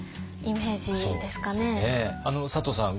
佐藤さん